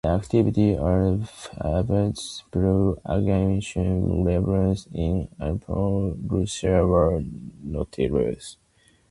The activities of agents provocateur against revolutionaries in Imperial Russia were notorious.